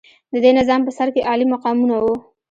د دې نظام په سر کې عالي مقامونه وو.